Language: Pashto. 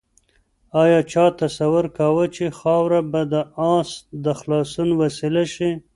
آیا چا تصور کاوه چې خاوره به د آس د خلاصون وسیله شي؟